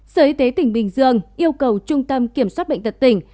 sở y tế tỉnh bình dương yêu cầu trung tâm kiểm soát bệnh tật tỉnh